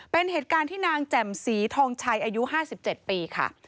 เป็นเหตุการณ์ที่นางแจ่มสีทองชัยอายุ๕๗ปีค่ะ